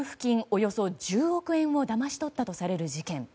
およそ１０億円をだまし取ったとされる事件。